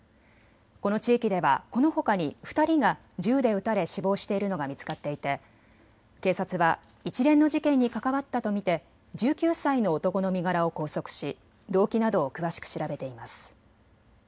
この地域では、このほかに２人が銃で撃たれ死亡しているのが見つかっていて警察は一連の事件に関わったと見て１９歳の男の身柄を拘束し動機などを詳しく調べています。